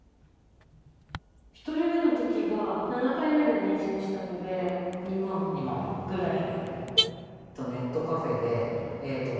１人目のときが７回目で妊娠したので２万円ぐらい。